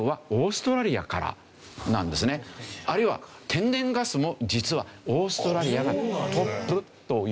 あるいは天然ガスも実はオーストラリアがトップというわけで。